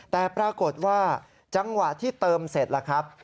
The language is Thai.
แต่ปรากฏว่าจังหวะที่เติมเสร็จล่ะครับ